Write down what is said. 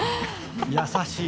優しい！